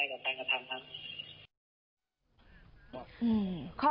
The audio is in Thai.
แต่ว่าในใจทุกครั้งที่เห็นข่าวก็เสียใจกับการกระทำครับ